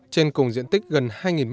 trên cùng diện tích gần hai m hai